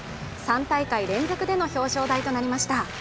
３大会連続での表彰台となりました